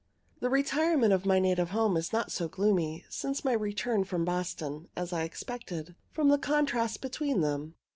The retirement of my native home is not so gloomy, since my return from Boston, as I expected, from the contrast between them.